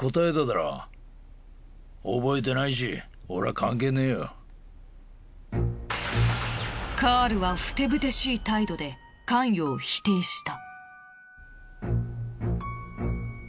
警察はカールはふてぶてしい態度で関与を否定した。